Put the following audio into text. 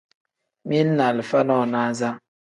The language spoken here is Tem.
Mili ni alifa nonaza.